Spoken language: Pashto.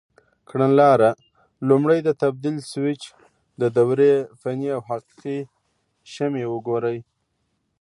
کړنلاره: لومړی د تبدیل سویچ د دورې فني او حقیقي شمې وګورئ.